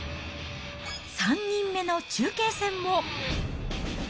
３人目の中堅戦も。